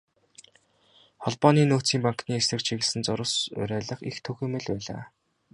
Холбооны нөөцийн банкны эсрэг чиглэсэн зурвас, уриалга их түгээмэл байлаа.